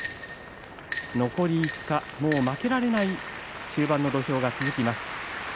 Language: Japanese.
残り５日、負けられない終盤の土俵が続きます。